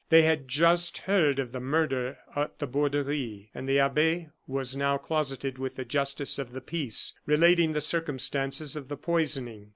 They had just heard of the murder at the Borderie, and the abbe was now closeted with the justice of the peace, relating the circumstances of the poisoning.